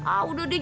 ah udah deh